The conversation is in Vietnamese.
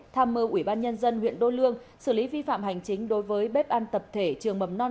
tham mưu ủy ban nhân dân huyện đô lương xử lý vi phạm hành chính đối với bếp ăn tập thể trường mầm non